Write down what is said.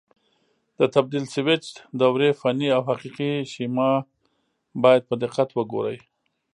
د تبدیل سویچ دورې فني او حقیقي شیما باید په دقت وګورئ.